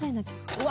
うわ！